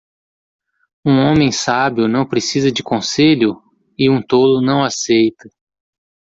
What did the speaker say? Um homem sábio não precisa de conselho? e um tolo não aceita.